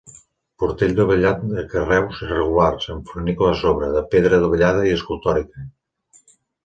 Portal dovellat de carreus irregulars, amb fornícula a sobre, de pedra dovellada i escultòrica.